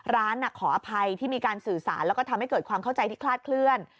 ร้านขออภัยที่มีการสื่อสารแล้วก็ทำให้เกิดความเข้าใจที่คลาดเคลื่อน